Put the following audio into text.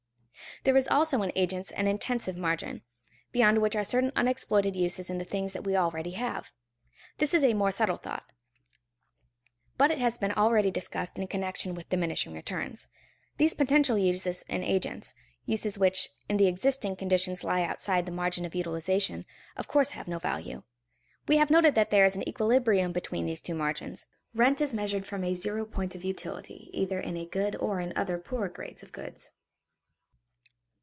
There is also in agents an intensive margin, beyond which are certain unexploited uses in the things that we already have. This is a more subtle thought, but it has been already discussed in connection with diminishing returns. These potential uses in agents, uses which in the existing conditions lie outside the margin of utilization, of course have no value. We have noted that there is an equilibrium between these two margins. Rent is measured from a zero point of utility either in a good, or in other poorer grades of goods.